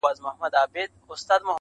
زړۀ کښې چې مينه او جذبه نه وي نو